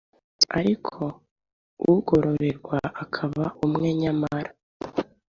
ariko ugororerwa akaba umwe nyamara,